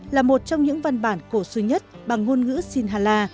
là một trong những văn bản cổ xưa nhất bằng ngôn ngữ sinhala